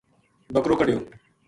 بکرو کڈھہو